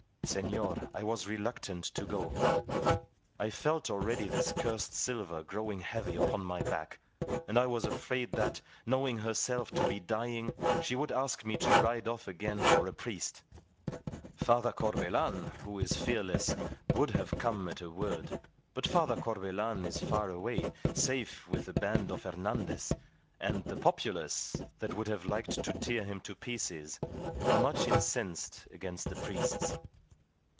Senor, I was reluctant to go. I felt already this cursed silver growing heavy upon my back, and I was afraid that, knowing herself to be dying, she would ask me to ride off again for a priest. Father Corbelan, who is fearless, would have come at a word; but Father Corbelan is far away, safe with the band of Hernandez, and the populace, that would have liked to tear him to pieces, are much incensed against the priests.